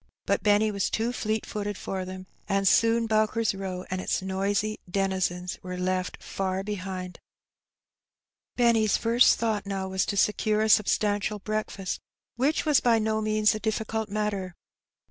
But Benny was too fleet footed for them, and soon Bowker^s Bow and its noisy denizens were left fiyr behind. Benny^s first thought now was to secure a substantial breakEBkst, which was bv no means a difficult matter.